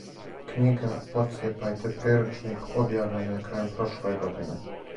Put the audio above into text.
"Књига "Поцијепајте приручник" објављена је крајем прошле године."